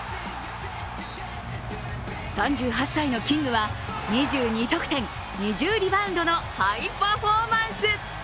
３８歳のキングは、２２得点２０リバウンドのハイパフォーマンス。